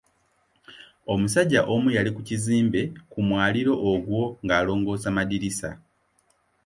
Omusajja omu yali ku kizimbe ku mwaliiro ogwo ng’alongoosa madirisa.